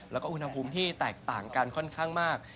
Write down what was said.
แล้วก็อุณหภูมิที่แตกต่างกันค่อนข้างมาก